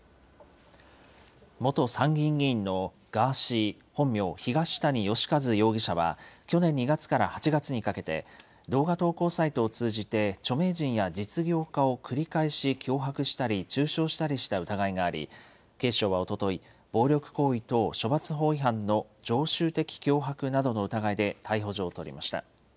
元参議院議員のガーシー、本名・東谷義和容疑者は、去年２月から８月にかけて、動画投稿サイトを通じて著名人や実業家を繰り返し脅迫したり中傷したりした疑いがあり、警視庁はおととい、暴力行為等処罰法違反の常習的脅迫などの疑いで逮捕状を取りました。